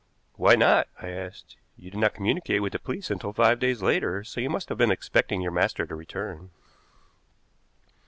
"Why not?" I asked. "You did not communicate with the police until five days later, so you must have been expecting your master to return."